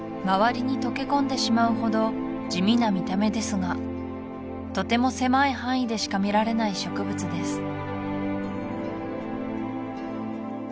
周りに溶け込んでしまうほど地味な見た目ですがとても狭い範囲でしか見られない植物です